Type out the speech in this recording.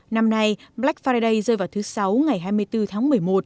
năm nay black friday rơi vào thứ sáu ngày hai mươi bốn tháng một mươi một